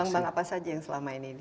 bank bank apa saja yang selama ini